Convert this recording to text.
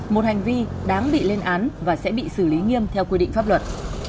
một hành vi đáng bị lên án và sẽ bị xử lý nghiêm theo quy định pháp luật